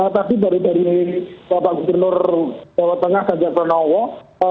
tadi dari bapak gubernur bawah tengah sajak renowo